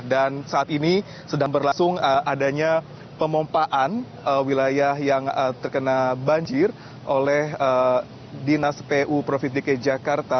dan saat ini sedang berlangsung adanya pemompaan wilayah yang terkena banjir oleh dinas pu provinsi dki jakarta